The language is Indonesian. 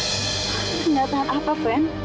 kenyataan apa van